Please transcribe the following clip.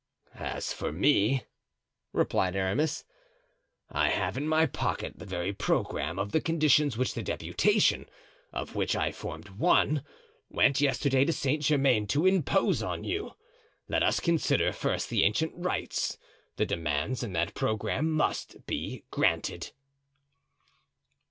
"As for me," replied Aramis, "I have in my pocket the very programme of the conditions which the deputation—of which I formed one—went yesterday to Saint Germain to impose on you. Let us consider first the ancient rights. The demands in that programme must be granted."